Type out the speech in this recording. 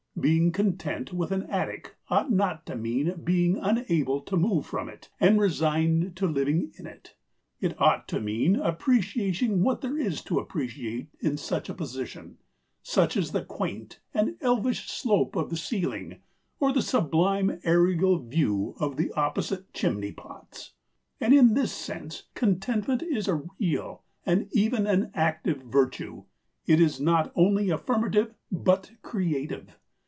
Being content with an attic ought not to mean being unable to move from it and resigned to living in it. It ought to mean appreciating what there is to appreciate in such a position; such as the quaint and elvish slope of the ceiling or the sublime aerial view of the opposite chimney pots. And in this sense contentment is a real and even an active virtue; it is not only affirmative, but creative.